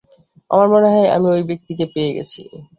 আমার মনে হয়, আমি ঔই ব্যাক্তিকে পেয়ে গেছি!